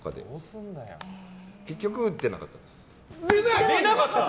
結局出なかったです。